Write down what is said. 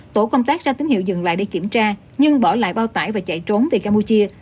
tổ công tác ra tín hiệu dừng lại để kiểm tra nhưng bỏ lại bao tải và chạy trốn về campuchia